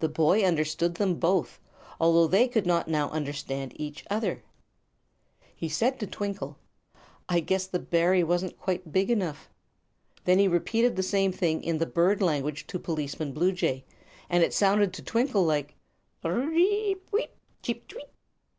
The boy understood them both, although they could not now understand each other. He said to Twinkle: "I guess the berry wasn't quite big enough." Then he repeated the same thing in the bird language to Policeman Bluejay, and it sounded to Twinkle like: "Pir r r r eep cheep tweet!"